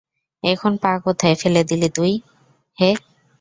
এখন পা কোথায় ফেলে দিলি তুই, হে।